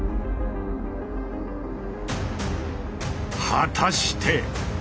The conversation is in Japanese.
果たして。